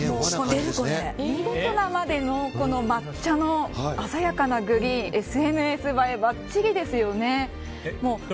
見事なまでの抹茶の鮮やかなグリーンＳＮＳ映えばっちりですよね。